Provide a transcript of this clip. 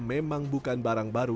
memang bukan barang baru